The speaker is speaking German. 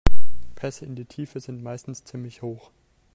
Pässe in die Tiefe sind meistens ziemlich hoch.